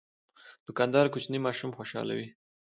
دوکاندار کوچني ماشومان خوشحالوي.